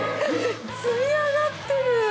積み上がってる！